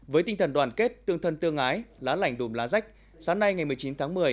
với tinh thần đoàn kết tương thân tương ái lá lành đùm lá rách sáng nay ngày một mươi chín tháng một mươi